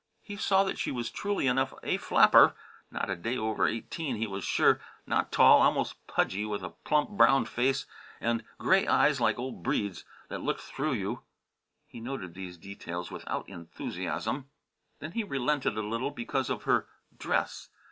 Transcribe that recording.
He saw that she was truly enough a flapper; not a day over eighteen, he was sure. Not tall; almost "pudgy," with a plump, browned face and gray eyes like old Breede's, that looked through you. He noted these details without enthusiasm. Then he relented a little because of her dress.